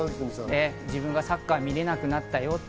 自分がサッカーを見られなくなったよって。